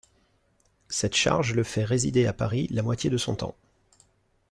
Cette charge le fait résider à Paris la moitié de son temps.